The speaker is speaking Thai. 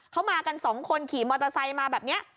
เขามากันสองคนขี่มอเตอร์ไซค์มาแบบนี้